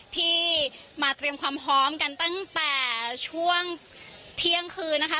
ที่มาเตรียมความพร้อมกันตั้งแต่ช่วงเที่ยงคืนนะคะ